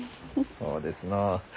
そうですのう。